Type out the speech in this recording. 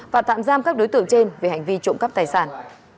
và tạm giam các đối tượng trên về hành vi trộm cắp tài sản